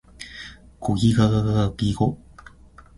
ゴギガガガギゴ